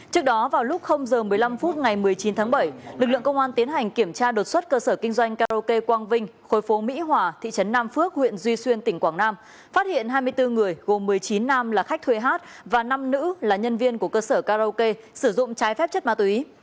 trước đó vào lúc giờ một mươi năm phút ngày một mươi chín tháng bảy lực lượng công an tiến hành kiểm tra đột xuất cơ sở kinh doanh karaoke quang vinh khối phố mỹ hòa thị trấn nam phước huyện duy xuyên tỉnh quảng nam phát hiện hai mươi bốn người gồm một mươi chín nam là khách thuê hát và năm nữ là nhân viên của cơ sở karaoke sử dụng trái phép chất ma túy